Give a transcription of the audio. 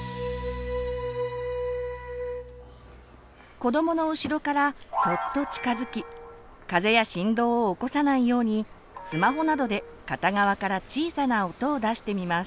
子どもの後ろからそっと近づき風や振動を起こさないようにスマホなどで片側から小さな音を出してみます。